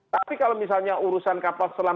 tapi kalau misalnya urusan kapal selam